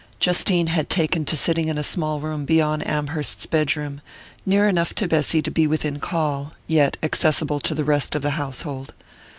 Justine had taken to sitting in a small room beyond Amherst's bedroom, near enough to Bessy to be within call, yet accessible to the rest of the household.